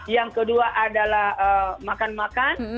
yang kedua adalah makan makan